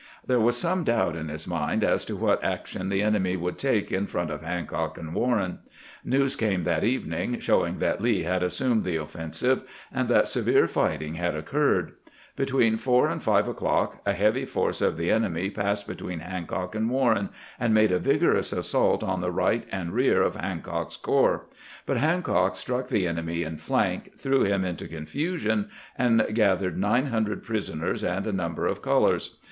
There was some doubt in his mind as to what action the enemy would take in front of Hancock and Warren. News came that evening, showing that Lee had assumed the offensive, and that severe fighting had occurred. Be tween four and five o'clock a heavy force of the enemy passed between Hancock and Warren, and made a vig orous assault on the right and rear of Hancock's corps ; but Hancock struck the enemy in flank, threw him into confusion, and captured nine hundred prisoners and a number of colors.